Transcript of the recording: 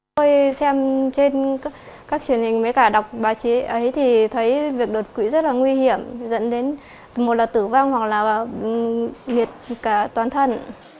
tôi xem trên các truyền hình với cả đọc báo chí ấy thì thấy việc đột quỵ rất là nguy hiểm dẫn đến một là tử vong hoặc là liệt cả toàn thân